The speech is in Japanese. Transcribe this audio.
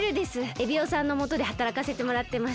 エビオさんのもとではたらかせてもらってます。